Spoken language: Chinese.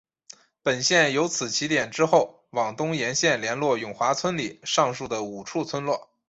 本线由此起点之后往东沿路连络永华村里上述的五处村落。